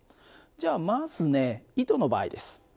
じゃあまずね糸の場合です。